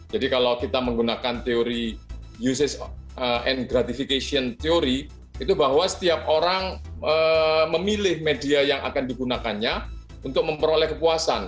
jadi kalau kita menggunakan teori usage and gratification teori itu bahwa setiap orang memilih media yang akan digunakannya untuk memperoleh kepuasan